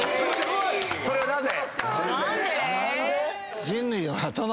それはなぜ？